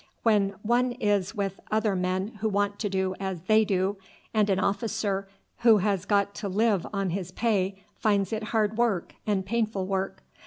When one is with other men one wants to do as they do, and an officer who has got to live on his pay finds it hard work and painful work.